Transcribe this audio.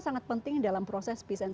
sangat penting dalam proses peace and